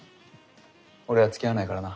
俺はつきあわないからな。